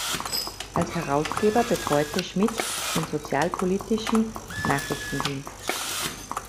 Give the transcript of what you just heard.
Als Herausgeber betreute Schmidt den "Sozialpolitischen Nachrichtendienst".